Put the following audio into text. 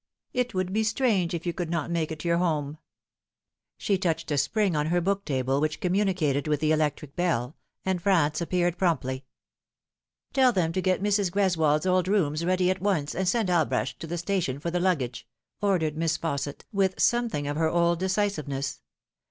It would be strange if you could not make it your home !" She touched a spring on her book table, which communicated with the electric bell, and Franz appeared promptly. " Tell them to get Mrs. Greswold's old rooms ready at once, and send Albrecht to the station for the luggage," ordered Misa Fausset, with something of her old decisiveness.